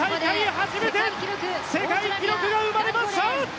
初めて世界記録が生まれました！